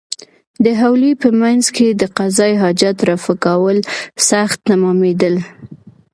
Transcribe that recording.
د حویلۍ په مېنځ کې د قضای حاجت رفع کول سخت تمامېدل.